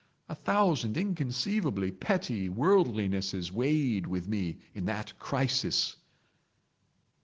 A thousand inconceivably petty worldlinesses weighed with me in that crisis."